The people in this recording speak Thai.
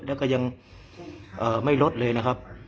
แล้วก็ยังไม่ลดเลยนะครับ